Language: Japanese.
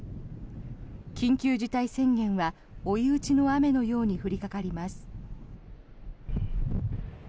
緊急事態宣言は追い打ちの雨のように降りかかります。